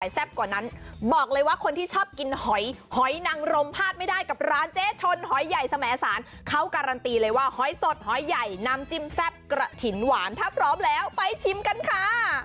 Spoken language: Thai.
แซ่บกว่านั้นบอกเลยว่าคนที่ชอบกินหอยหอยนังรมพลาดไม่ได้กับร้านเจ๊ชนหอยใหญ่สมสารเขาการันตีเลยว่าหอยสดหอยใหญ่น้ำจิ้มแซ่บกระถิ่นหวานถ้าพร้อมแล้วไปชิมกันค่ะ